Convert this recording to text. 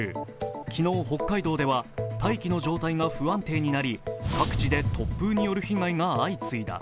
昨日、北海道では大気の状態が不安定になり各地で突風による被害が相次いだ。